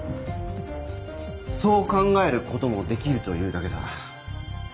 そう考えることもできるというだけだ。